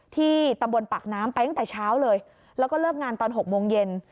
ที่ตำบลปากน้ำไปตั้งแต่เช้าเลยแล้วก็เลิกงานตอน๖โมงเย็น